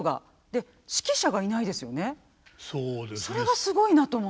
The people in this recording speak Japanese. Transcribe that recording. それがすごいなと思って。